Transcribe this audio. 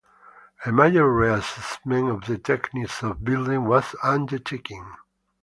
A major re-assessment of the techniques of building was undertaken.